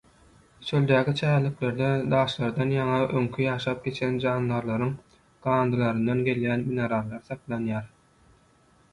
Çöldäki çägeliklerde daşlardan ýa-da öňki ýaşap geçen jandarlaryň galyndylaryndan gelýän minerallar saklanýar.